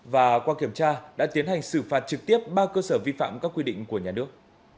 và qua kiểm tra đã tiến hành xử phạt trực tiếp ba cơ sở vi phạm các quy định của nhà nước